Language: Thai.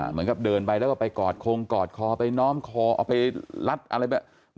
เหมือนกับเดินไปแล้วก็ไปกอดคงกอดคอไปน้อมคอเอาไปลัดอะไรแบบ